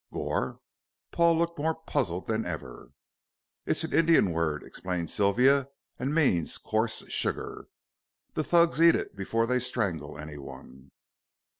"Goor?" Paul looked more puzzled than ever. "It's an Indian word," explained Sylvia, "and means coarse sugar. The Thugs eat it before they strangle anyone."